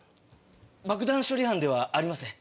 爆弾処理班ではありません。